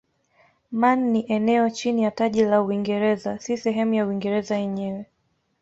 Man ni eneo chini ya taji la Uingereza si sehemu ya Uingereza yenyewe.